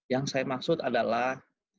yang saya maksud adalah